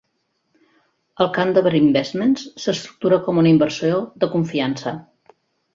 El candover Investments s'estructura com una inversió de confiança.